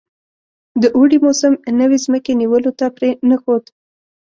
د اوړي موسم نوي مځکې نیولو ته پرې نه ښود.